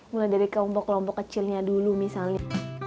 mulai dari kelompok kelompok kecilnya dulu misalnya